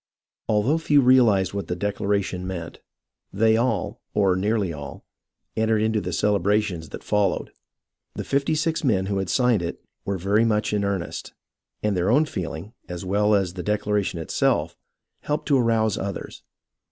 Although few realized what the declaration meant, they all, or nearly all, entered into the celebrations that fol lowed. The fifty six men who had signed it were very much in earnest, and their own feehng, as well as the declaration itself, helped to arouse others.